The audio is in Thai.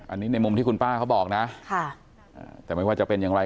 อันนี้ในมุมที่คุณป้าเขาบอกนะแต่ไม่ว่าจะเป็นอย่างไร